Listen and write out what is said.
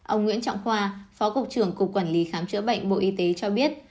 ông nguyễn trọng khoa phó cục trưởng cục quản lý khám chữa bệnh bộ y tế cho biết